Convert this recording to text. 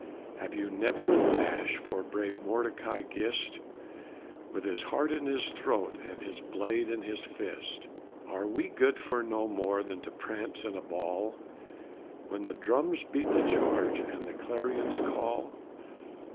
Have you never a dash for brave Mordecai Gist, With his heart in his throat, and his blade in his fist? Are we good for no more than to prance in a ball, When the drums beat the charge and the clarions call?"